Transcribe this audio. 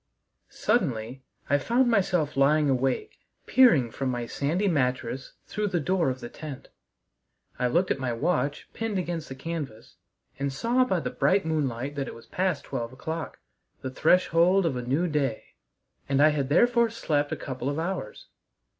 II Suddenly I found myself lying awake, peering from my sandy mattress through the door of the tent. I looked at my watch pinned against the canvas, and saw by the bright moonlight that it was past twelve o'clock the threshold of a new day and I had therefore slept a couple of hours.